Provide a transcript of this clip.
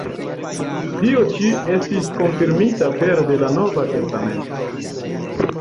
Tio ĉi estis konfirmita pere de la Nova Testamento.